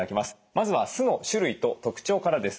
まずは酢の種類と特徴からです。